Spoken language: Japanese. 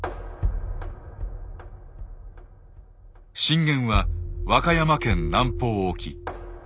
震源は和歌山県南方沖。